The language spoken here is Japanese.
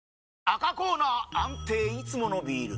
赤コーナー安定いつものビール！